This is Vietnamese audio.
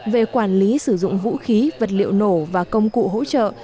về quản lý sử dụng vũ khí vật liệu nổ và công cụ hỗ trợ